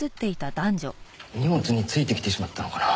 荷物についてきてしまったのかな？